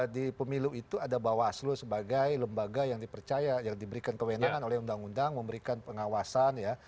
di pemilu itu ada bawaslu sebagai lembaga yang dipercaya yang diberikan kewenangan oleh undang undang memberikan pengawasan ya